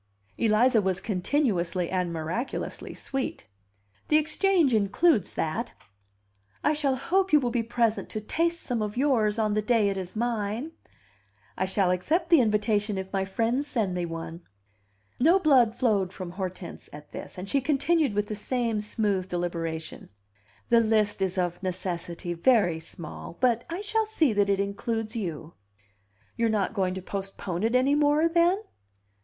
Eliza was continuously and miraculously sweet. "The Exchange includes that." "I shall hope you will be present to taste some of yours on the day it is mine." "I shall accept the invitation if my friends send me one." No blood flowed from Hortense at this, and she continued with the same smooth deliberation. "The list is of necessity very small; but I shall see that it includes you." "You are not going to postpone it any more, then?"